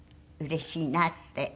うれしいなって。